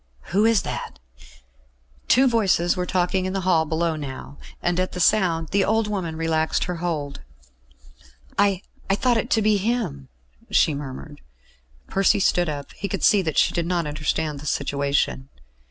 "Who is that?" Two voices were talking in the hall below now, and at the sound the old woman relaxed her hold. "I I thought it to be him," she murmured. Percy stood up; he could see that she did not understand the situation.